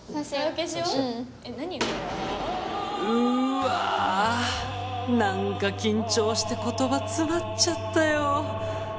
うわ何か緊張して言葉つまっちゃったよ